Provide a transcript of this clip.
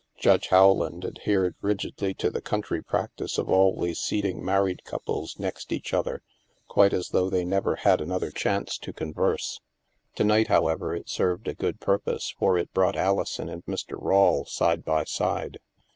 Judge Howland adhered rigidly to the country practice of always seating married couples next each other, quite as though they never had another chance 40 THE MASK to converse. To night, however, it served a good purpose, for it brought AHson and Mr. Rawie side by side.